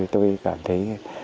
tôi cảm thấy